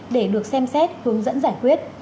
để được xem xét hướng dẫn giải quyết